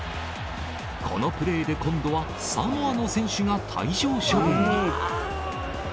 このプレーで今度は、サモアの選手が退場処分に。